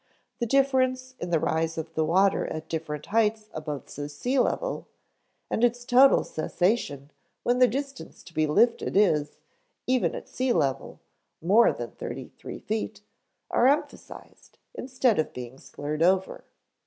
The difference in the rise of the water at different heights above the sea level, and its total cessation when the distance to be lifted is, even at sea level, more than thirty three feet, are emphasized, instead of being slurred over.